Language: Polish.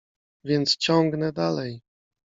— Więc ciągnę dalej.